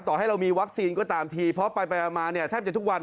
ต่อให้เรามีวัคซีนก็ตามทีเพราะไปมาเนี่ยแทบจะทุกวัน